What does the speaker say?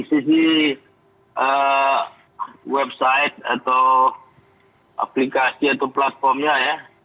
sisi website atau aplikasi atau platformnya ya